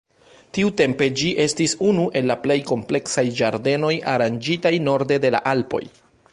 Tiutempe, ĝi estis unu el la plej kompleksaj ĝardenoj aranĝitaj norde de la Alpoj.